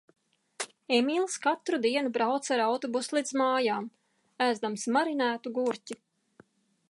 Emīls katru dienu brauca ar autobusu līdz mājām, ēzdams marinētu gurķi.